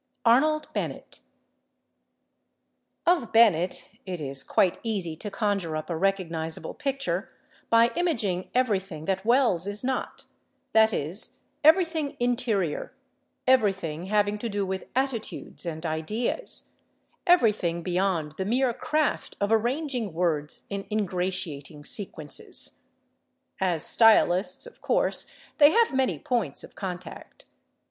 ARNOLD BENNETT Of Bennett it is quite easy to conjure up a recognizable picture by imaging everything that Wells is not—that is, everything interior, everything having to do with attitudes and ideas, everything beyond the mere craft of arranging words in ingratiating sequences. As stylists, of course, they have many points of contact.